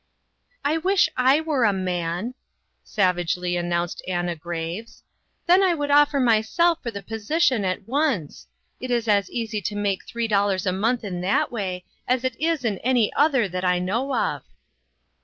"I wish I were a man!" savagely an nounced Anna Graves, " then I would offer myself for the position at once. It is as easy to make three dollars a month in that way as it is in any other that I know of."